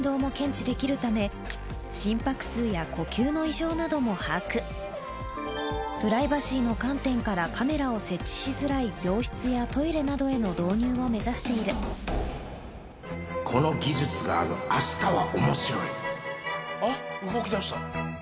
さらになども把握プライバシーの観点からカメラを設置しづらい病室やトイレなどへの導入を目指しているこの技術があるあしたは面白いあっ動きだした。